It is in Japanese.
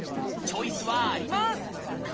チョイスはあります！